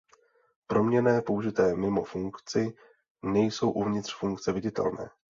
Proměnné použité mimo funkci nejsou uvnitř funkce viditelné.